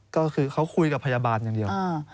ก็คือเขาคุยกับพยาบาลอย่างเดียว